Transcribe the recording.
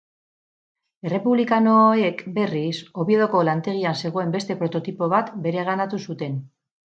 Errepublikanoek, berriz, Oviedoko lantegian zegoen beste prototipo bat bereganatu zuten.